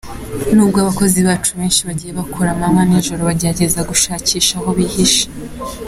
Nubwo abakozi bacu benshi bagiye bakora amanywa n’ijoro bagerageza gushakisha aho bihishe.